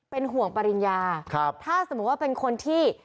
เป็นห่วงปริญญาถ้าสมมุติว่าเป็นคนที่